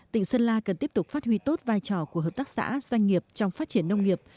tỉnh sơn la cần tiếp tục phát huy tốt vai trò của hợp tác xã doanh nghiệp trong phát triển nông nghiệp